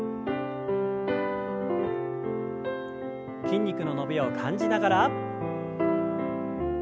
筋肉の伸びを感じながら。